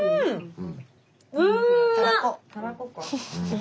うん！